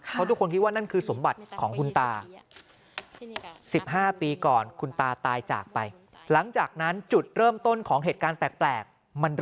เพราะทุกคนคิดว่านั่นคือสมบัติของคุณตา